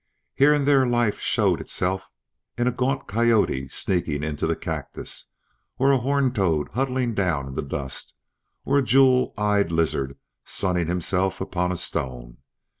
Here and there life showed itself in a gaunt coyote sneaking into the cactus, or a horned toad huddling down in the dust, or a jewel eyed lizard sunning himself upon a stone.